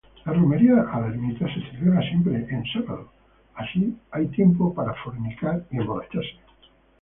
La romería a la Ermita se celebra siempre en sábado.